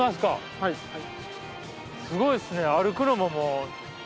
はいはいすごいですね